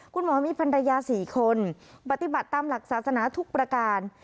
คุณหมอมีภรรยา๔คนปฏิบัติตามหลักศาสนาทุกประการ